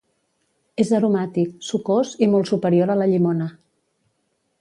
És aromàtic, sucós i molt superior a la llimona.